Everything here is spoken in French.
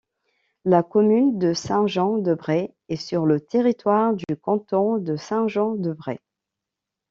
La commune de Saint-Jean-de-Braye est sur le territoire du canton de Saint-Jean-de-Braye.